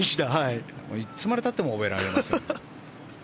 いつまでたっても覚えられない。